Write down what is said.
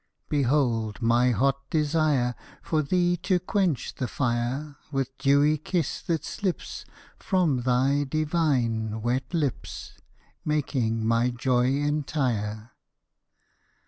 Behold my hot desire For thee to quench the fire, With dewy kiss that slips From thy divine, wet lips, Making my joy entire.